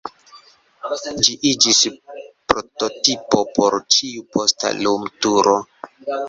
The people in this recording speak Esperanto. Ĝi iĝis prototipo por ĉiu posta lumturo.